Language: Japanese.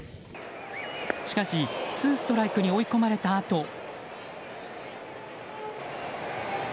しかし、ツーストライクに追い込まれたあと。